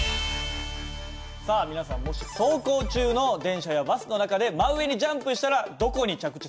さあ皆さんもし走行中の電車やバスの中で真上にジャンプしたらどこに着地すると思いますか？